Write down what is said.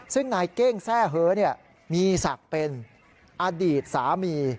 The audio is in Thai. ซึ่งนายเก้งแทร่เฮ้อมีศักดิ์เป็นอดีตสามี